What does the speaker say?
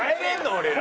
俺ら。